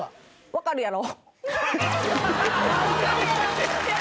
「分かるやろ？」